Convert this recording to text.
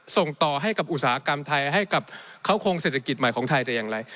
ส่งต่อให้กับอุตสาหกรรมไทยให้กับเขาคงเศรษฐกิจใหม่ของไทยแต่อย่างไร